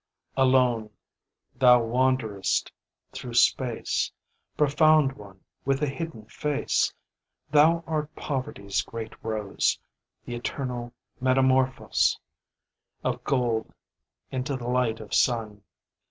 Alone Thou wanderest through space, Profound One with the hidden face; Thou art Poverty's great rose, The eternal metamorphose Of gold into the light of sun.